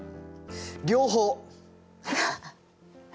両方！